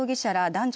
男女